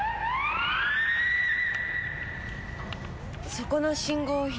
そこの信号を左。